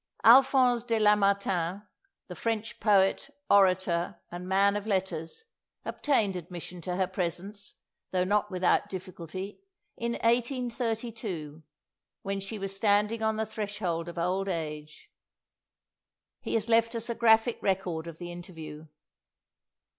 Alphonse de Lamartine, the French poet, orator, and man of letters, obtained admission to her presence, though not without difficulty, in 1832, when she was standing on the threshold of old age. He has left us a graphic record of the interview.